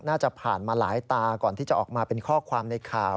น่าจะผ่านมาหลายตาก่อนที่จะออกมาเป็นข้อความในข่าว